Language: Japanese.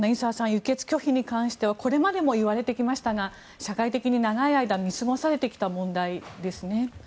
輸血拒否に関してはこれまでも言われてきましたが社会的に長い間見過ごされてきた問題ですね。